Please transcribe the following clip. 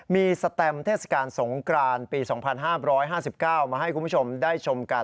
มีสแตมเทศกาลสงกรานปี๒๕๕๙มาให้คุณผู้ชมได้ชมกัน